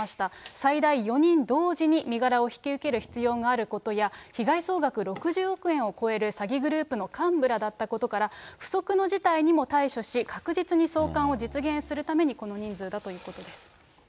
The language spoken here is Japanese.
最大４人同時に身柄を引き受ける必要があることや、被害総額６０億円を超える詐欺グループの幹部らだったことから、不測の事態にも対処し、確実に送還を実現するためにこの人数だということです。